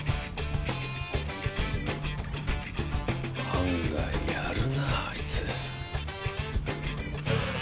案外やるなあいつ。